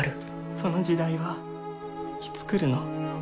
その時代はいつ来るの？